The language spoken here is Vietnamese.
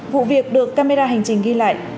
vụ việc được camera hành trình ghi lại